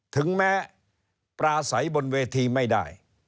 ถึงแม้ปลาใสบนเวทีไม่ได้